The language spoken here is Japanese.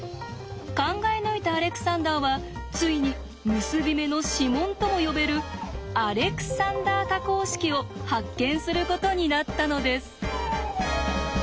考え抜いたアレクサンダーはついに結び目の指紋とも呼べる「アレクサンダー多項式」を発見することになったのです。